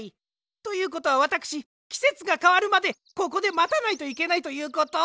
ということはわたくしきせつがかわるまでここでまたないといけないということ？